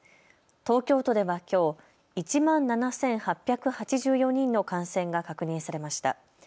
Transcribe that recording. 東京都ではきょう１万７８８４人の感染が確認されました。